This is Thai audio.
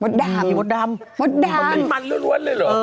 ไหนตรงไหนอ่ะมดดำมดดำมันมีมันรวดเลยเหรอ